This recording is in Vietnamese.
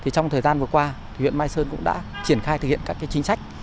trong thời gian vừa qua huyện mai sơn cũng đã triển khai thực hiện các chính sách